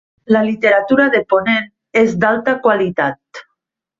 La literatura de Ponent és d'alta qualitat.